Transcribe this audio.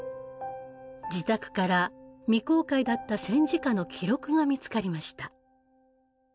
自宅から未公開だった戦時下の記録が見つかりました。